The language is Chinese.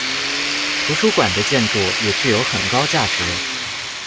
图书馆的建筑也具有很高价值。